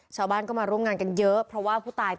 ชาวบ้านก็มาร่วมงานกันเยอะเพราะว่าผู้ตาย